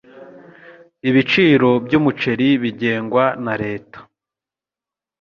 Ibiciro byumuceri bigengwa na leta.